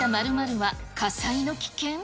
○は火災の危険？